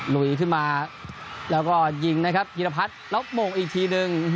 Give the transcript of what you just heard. ลุยขึ้นมาแล้วก็ยิงนะครับยีรพัฒน์แล้วโมงอีกทีหนึ่ง